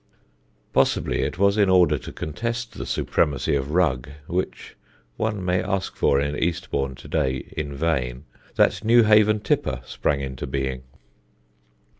Possibly it was in order to contest the supremacy of Rug (which one may ask for in Eastbourne to day in vain) that Newhaven Tipper sprang into being.